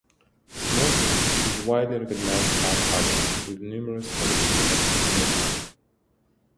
Smoking is a widely recognized health hazard with numerous negative effects on the body.